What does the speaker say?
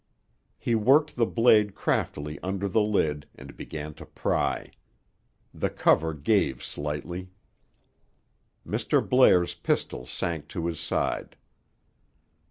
He worked the blade craftily under the lid and began to pry. The cover gave slightly. Mr. Blair's pistol sank to his side.